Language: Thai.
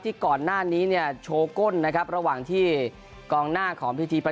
ที่ก่อนหน้านี้โชว์ก้นระหว่างที่กองหน้าของพี่ทีประสบ